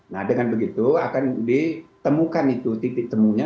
nah dengan begitu akan ditemukan itu titik temunya